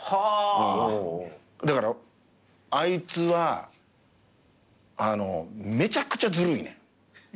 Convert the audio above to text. だからあいつはめちゃくちゃずるいねん。